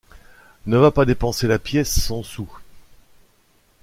Ne va pas dépenser la pièce-cent-sous.